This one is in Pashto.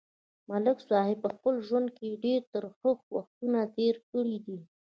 ملک صاحب په خپل ژوند کې ډېر ترخه وختونه تېر کړي دي.